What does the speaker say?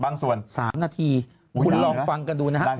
๓นาทีคุณลองฟังกันดูนะครับ